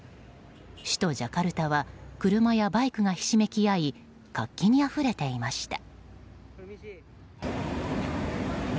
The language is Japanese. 首都ジャカルタは車やバイクがひしめき合い活気にあふれていました。